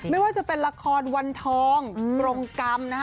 ไม่ว่าจะเป็นละครวันทองกรงกรรมนะคะ